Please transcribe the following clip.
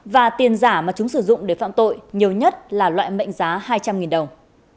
và tiền giả mà chúng sử dụng để phạm tội nhiều nhất là loại mệnh giá hai trăm linh đồng